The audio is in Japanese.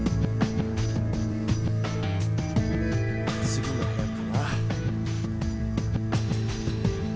次の部屋かな？